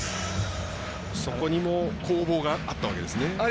そこにも攻防があったわけですね。